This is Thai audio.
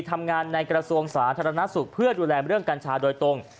ทำงานในกระทรวงสาธารณสุขเพื่อดูแลเรื่องกัญชาโดยตรง